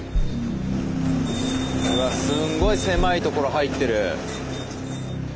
うわすんごい狭い所入ってる。